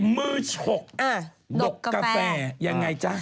มือฉกบกกาแฟยังไงจ๊ะ